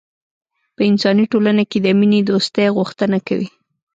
په انساني ټولنه کې د مینې دوستۍ غوښتنه کوي.